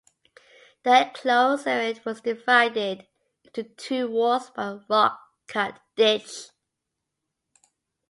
The enclosed area was divided into two wards by a rock-cut ditch.